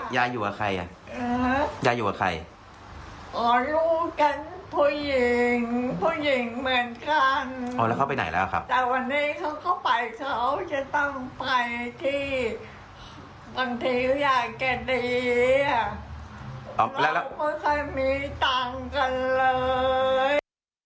ตอนนี้คุณยายแกดีอ่ะเราก็ไม่ใช่มีตังค์กันเลย